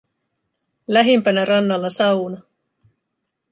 Lähimpänä rannalla sauna.